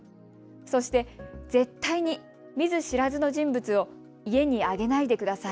そして、絶対に見ず知らずの人物を家に上げないでください。